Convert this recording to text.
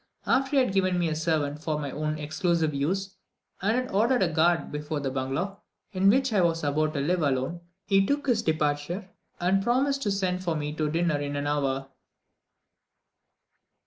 After he had given me a servant for my own exclusive use, and had ordered a guard before the bungalow, in which I was about to live alone, he took his departure, and promised to send for me to dinner in an hour.